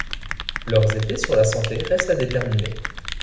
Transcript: Leurs effets sur la santé restent à déterminer.